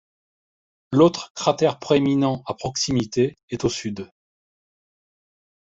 L'autre cratère proéminent à proximité est au sud.